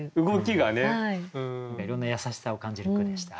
いろんな優しさを感じる句でした。